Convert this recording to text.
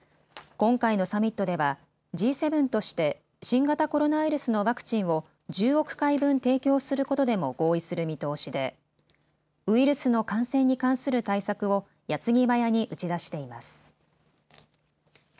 今回のサミットではＧ７として新型コロナウイルスのワクチンを１０億回分提供することでも合意する見通しでウイルスの感染に関する対策をやつぎばやに打ち出しています。